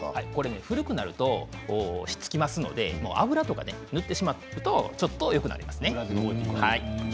古くなるとひっつきますので油とか塗ってしまうとちょっとよくなります。